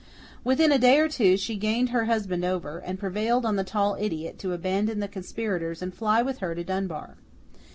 Within a day or two, she gained her husband over, and prevailed on the tall idiot to abandon the conspirators and fly with her to Dunbar.